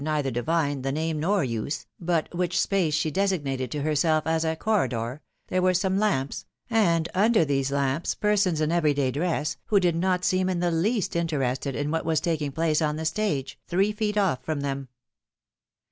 neither divine the name nor use, but which space she designated to herself as corridor/^ there were some lamps, and under these lamps persons in every day dress, who did not seem in the least interested in what was taking place on the stage, three feet off from them.